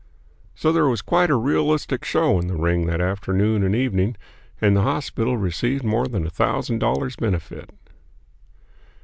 So there was quite a realistic show in the ring that afternoon and evening, and the hospital received more than a thousand dollars' benefit.